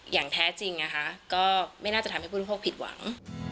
อย่างแท้จริงนะคะก็ไม่น่าจะทำให้ผู้บริโภคผิดหวัง